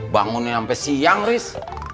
bangunnya sampai siang riz